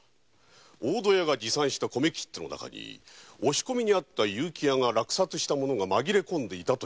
大戸屋が持参した米切手の中に押し込みに遭った結城屋が落札したものが紛れこんでいたと。